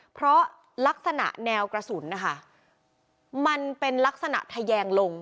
เพราะลักษณะแนวกระสุนนะคะมันเป็นลักษณะทะแยงลง